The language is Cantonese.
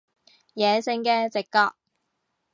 野性嘅直覺